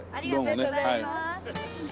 ありがとうございます。